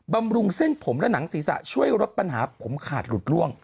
บำรุงเส้นผมและหนังศีรษะช่วยลดปัญหาผมขาดหลุดล่วง